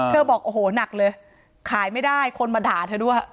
บอกโอ้โหหนักเลยขายไม่ได้คนมาด่าเธอด้วย